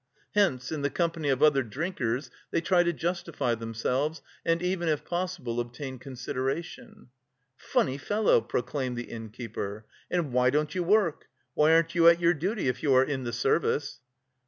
Hence in the company of other drinkers they try to justify themselves and even if possible obtain consideration. "Funny fellow!" pronounced the innkeeper. "And why don't you work, why aren't you at your duty, if you are in the service?"